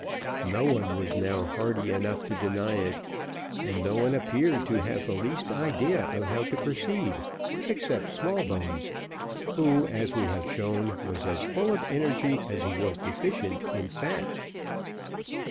No one was now hardy enough to deny it, and no one appeared to have the least idea of how to proceed except Smallbones, who, as we have shown, was as full of energy as he was deficient in fat.